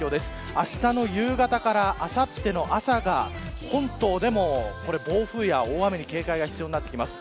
あしたの夕方からあさっての朝が本島でも暴風や大雨に警戒が必要になってきます。